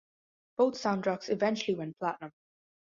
Both soundtracks eventually went platinum.